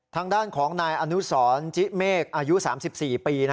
ทางด้านของนายอนุสรจิเมฆอายุ๓๔ปี